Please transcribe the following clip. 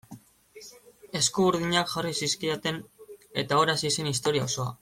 Eskuburdinak jarri zizkidaten eta hor hasi zen historia osoa.